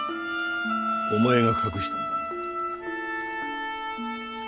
お前が隠したんだな？